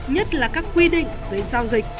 nhất là các quy định về giao dịch